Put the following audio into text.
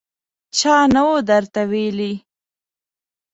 _چا نه و درته ويلي!